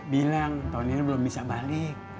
bilang tahun ini belum bisa balik